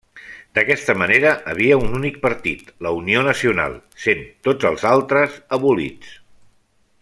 D'aquesta manera, havia un únic partit, la Unió Nacional, sent tots els altres abolits.